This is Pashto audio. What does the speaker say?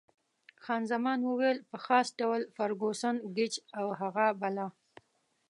خان زمان وویل: په خاص ډول فرګوسن، ګېج او هغه بله.